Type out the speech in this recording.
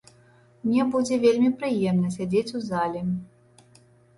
Мне будзе вельмі прыемна сядзець у зале.